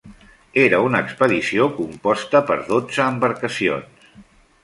Era una expedició composta per dotze embarcacions.